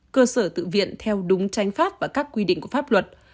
cơ sở tự viện theo đúng tránh pháp và các quy định của pháp luật